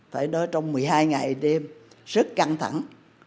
phải nói trong một mươi hai ngày đêm rất căng thẳng